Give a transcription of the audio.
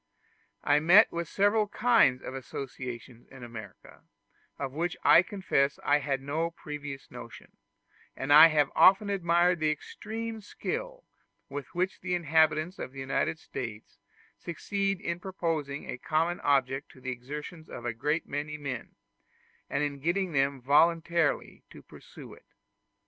I met with several kinds of associations in America, of which I confess I had no previous notion; and I have often admired the extreme skill with which the inhabitants of the United States succeed in proposing a common object to the exertions of a great many men, and in getting them voluntarily to pursue it.